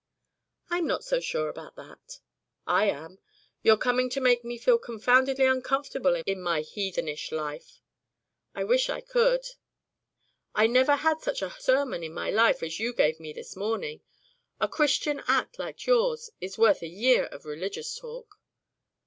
"I'm not so sure about that." "I am. You're coming to make me feel confoundedly uncomfortable in my heathenish life." "I wish I could." "I never had such a sermon in my life as you gave me this morning. A Christian act like yours is worth a year of religious talk."